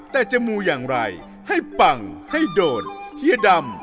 แต่จะมูอย่างไรให้ปังให้โดนเฮียดำ